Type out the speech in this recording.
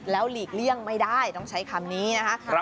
หลีกเลี่ยงไม่ได้ต้องใช้คำนี้นะคะ